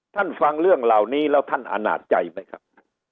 ฟังเรื่องเหล่านี้แล้วท่านอาณาจใจไหมครับ